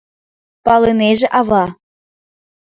— палынеже ава.